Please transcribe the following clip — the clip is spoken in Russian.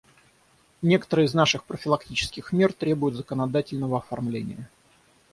Некоторые из наших профилактических мер требуют законодательного оформления.